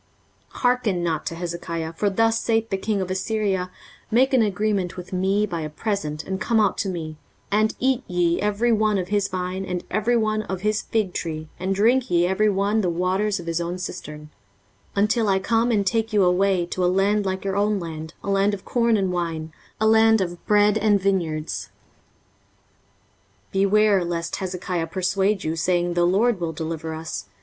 23:036:016 Hearken not to Hezekiah: for thus saith the king of Assyria, Make an agreement with me by a present, and come out to me: and eat ye every one of his vine, and every one of his fig tree, and drink ye every one the waters of his own cistern; 23:036:017 Until I come and take you away to a land like your own land, a land of corn and wine, a land of bread and vineyards. 23:036:018 Beware lest Hezekiah persuade you, saying, the LORD will deliver us.